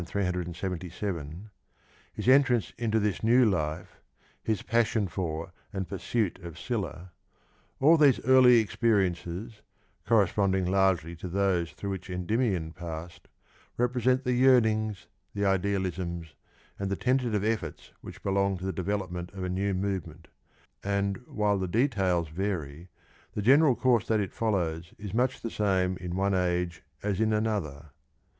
2>77)^ his entrance into this new life, his passion for and pursuit of Scylla — all these early experiences, corresponding largely to those through which Endymion passed, represent the 5^earnings, the idealisms and the tentative efforts which belong to the development of a new movement, and, while the details vary, the general course that it follows is much the same in one age as in another.